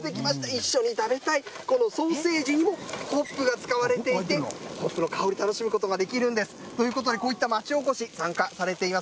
一緒に食べたい、このソーセージにも、ホップが使われていて、ホップの香り、楽しむことができるんです。ということで、こういった町おこし、参加されています